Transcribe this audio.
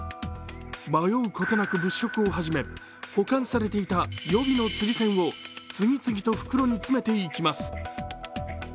迷うことなく物色を始め、保管されていた予備の釣り銭を次々と袋に詰めていきます。